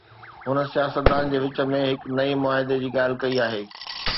هن سياستدانن جي وچ ۾ هڪ نئين معاهدي جي ڳالهه ڪئي آهي.